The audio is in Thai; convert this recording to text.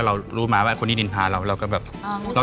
เรารู้มาว่าคนนี้ดินทรายแล้ว